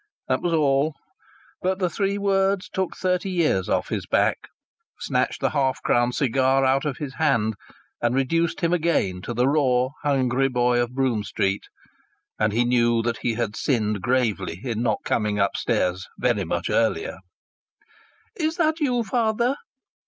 That was all. But the three words took thirty years off his back, snatched the half crown cigar out of his hand and reduced him again to the raw, hungry boy of Brougham Street. And he knew that he had sinned gravely in not coming upstairs very much earlier. "Is that you, father?"